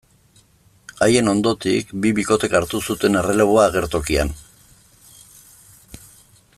Haien ondotik, bi bikotek hartu zuten erreleboa agertokian.